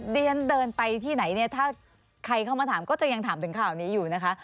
เรียนเดินไปที่ไหนเนี่ยถ้าใครเข้ามาถามก็จะยังถามถึงข่าวนี้อยู่นะคะ